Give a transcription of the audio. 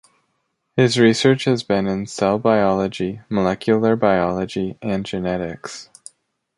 His research has been in cell biology, molecular biology, and genetics.